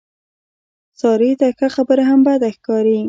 سارې ته ښه خبره هم بده ښکاري.